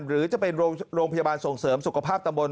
หรือจะเป็นโรงพยาบาลส่งเสริมสุขภาพตำบล